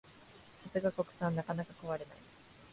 さすが国産、なかなか壊れない